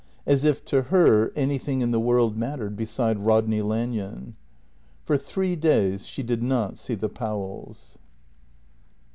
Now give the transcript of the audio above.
As if to her anything in the world mattered beside Rodney Lanyon. For three days she did not see the Powells.